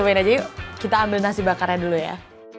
bedain aja yuk kita ambil nasi bakarnya dulu ya